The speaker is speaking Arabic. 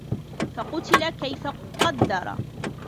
فَقُتِلَ كَيفَ قَدَّرَ